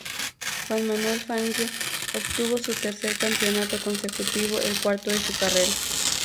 Juan Manuel Fangio obtuvo su tercer campeonato consecutivo, el cuarto de su carrera.